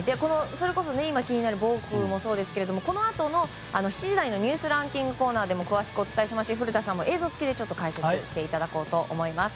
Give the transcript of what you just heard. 今気になるボークもそうですがこのあとの７時台のニュースランキングコーナーでも詳しくお伝えしますし古田さんにも映像付きで解説していただこうと思います。